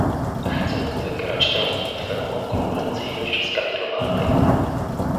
Chcę wygrać tę bitwę o konkurencyjność w skali globalnej